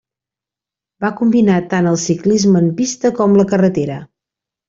Va combinar tant el ciclisme en pista com la carretera.